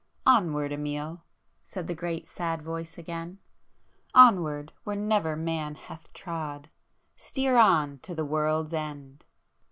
"Onward Amiel!" said the great sad Voice again—"Onward where never man hath trod,—steer on to the world's end!"